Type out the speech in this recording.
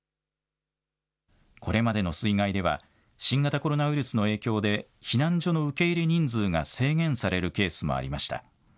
これまでの水害では、新型コロナウイルスの影響で避難所の受け入れ人数が制限されるケースもありました。